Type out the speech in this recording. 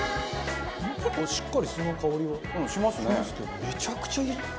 結構しっかり酢の香りが。しますね！